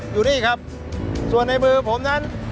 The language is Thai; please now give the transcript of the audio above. อยู่นี่ครับส่วนในมือผมนั้น